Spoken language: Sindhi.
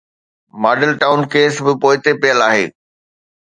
ماڊل ٽائون ڪيس به پوئتي پيل آهي.